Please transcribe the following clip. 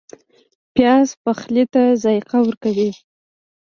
پیاز پخلی ته ذایقه ورکوي